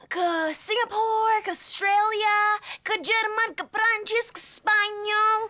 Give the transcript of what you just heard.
ke singapura ke australia ke jerman ke perancis ke spanyol